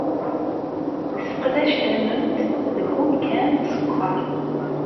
Yesseqdac tamemt deg umkan n uskeṛ.